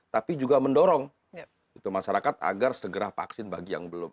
tapi juga mendorong masyarakat agar segera vaksin bagi yang belum